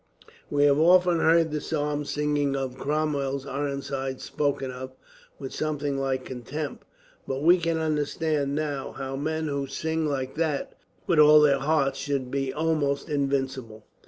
"We have often heard the psalm singing of Cromwell's Ironsides spoken of, with something like contempt; but we can understand, now, how men who sing like that, with all their hearts, should be almost invincible."